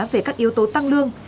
về các yếu tố tăng lương